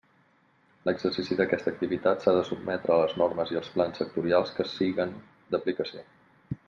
L'exercici d'aquesta activitat s'ha de sotmetre a les normes i els plans sectorials que siguen d'aplicació.